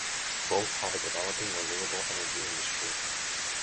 Both have a developing renewable energy industry.